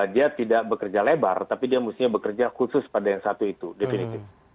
dia tidak bekerja lebar tapi dia mestinya bekerja khusus pada yang satu itu definitif